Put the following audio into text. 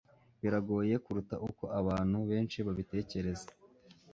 Biragoye kuruta uko abantu benshi babitekereza